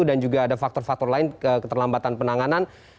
dan juga ada faktor faktor lain keterlambatan penanganan